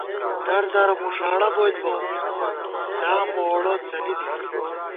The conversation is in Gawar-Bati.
در دَرہ مُݭاڑہ بوئیت بہ، لامہ ووڑہ څَلی دی